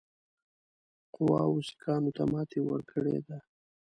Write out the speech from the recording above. قواوو سیکهانو ته ماته ورکړې ده.